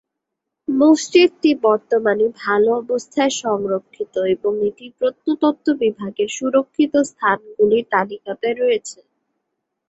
মসজিদটি বর্তমানে ভাল অবস্থায় সংরক্ষিত, এবং এটি প্রত্নতত্ত্ব বিভাগের সুরক্ষিত স্থানগুলির তালিকাতে রয়েছে।